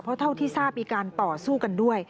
เพราะเท่าที่ทราบมีการต่อสู้กันด้วย